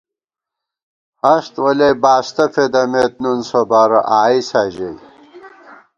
ہست ولیَئی باستہ فېدَمېت نُون سوبارہ آئېسا ژَئی